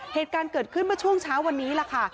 เหตุการณ์เกิดขึ้นเมื่อช่วงเช้าวันนี้ล่ะค่ะ